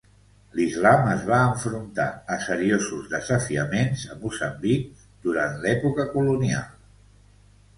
L'islam es va enfrontar a seriosos desafiaments a Moçambic durant l'època colonial.